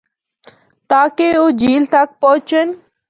تاکہ او جھیل تک پُہچن۔